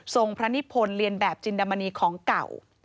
พระนิพนธ์เรียนแบบจินดามณีของเก่า